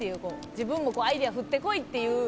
自分もアイディア降ってこいっていう。